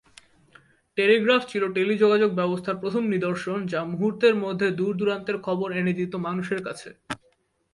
Telegraph ছিল টেলিযোগাযোগ ব্যবস্থার প্রথম নিদর্শন যা মুহুর্তের মধ্যে দূর-দূরান্তের খবর এনে দিত মানুষের কাছে।